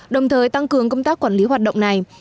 đồng thời tăng cường công tác quản lý hoạt động này